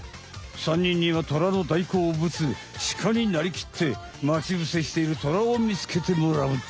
３にんにはトラの大好物シカになりきって待ち伏せしているトラを見つけてもらうっち。